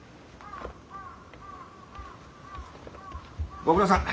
ご苦労さん。